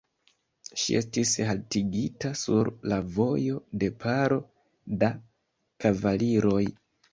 Ŝi estis haltigita sur la vojo de paro da kavaliroj.